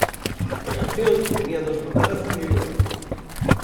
La canción tenía dos portadas individuales.